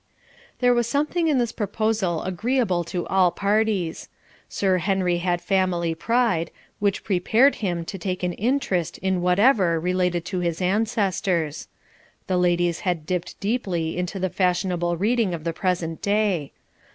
There was something in this proposal agreeable to all parties. Sir Henry had family pride, which prepared him to take an interest in whatever related to his ancestors. The ladies had dipped deeply into the fashionable reading of the present day.